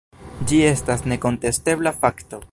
Ĝi estas nekontestebla fakto.